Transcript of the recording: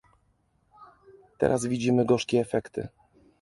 Teraz widzimy gorzkie efekty